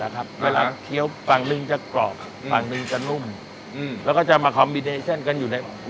จากนั้นก็เอามาผัดตรงนี้แหละคือส่วนสำคัญอีกอันหนึ่ง